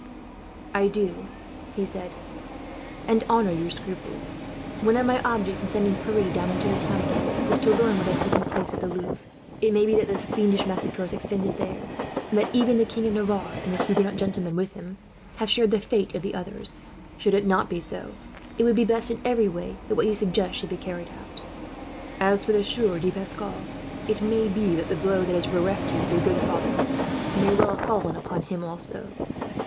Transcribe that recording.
"I do," he said, "and honour your scruples. One of my objects, in sending Pierre down into the town again, is to learn what has taken place at the Louvre. It may be that this fiendish massacre has extended there, and that even the King of Navarre, and the Huguenot gentlemen with him, have shared the fate of the others. Should it not be so, it would be best in every way that what you suggest should be carried out. "As for the Sieur de Pascal, it may be that the blow, that has bereft you of your good father, may well have fallen upon him, also."